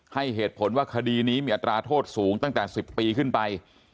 ให้เหตุผลว่าคดีนี้มีอัตราโทษสูงตั้งแต่๑๐ปีขึ้นไป